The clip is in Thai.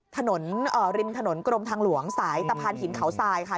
ถนนริมถนนกรมทางหลวงสายตะพานหินเขาทรายค่ะ